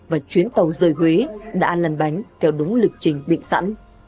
và chuyến tàu rời huế đã lần bánh theo đúng lịch trình định sẵn